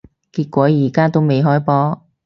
結果而家都未開波